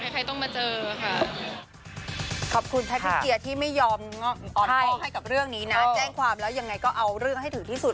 คือจะเอาเรื่องให้ถึงที่สุด